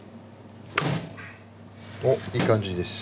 おっいい感じです。